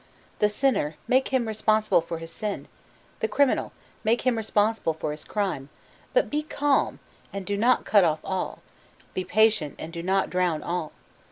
The sinner, make him responsible for his sin; the criminal, make him responsible for his crime: but be calm, and do not cut off all; be patient, and do not drown all.